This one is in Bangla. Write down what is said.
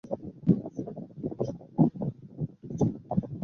কথা ছিল প্রতি মাসে দুই বার করে ছাপাবে।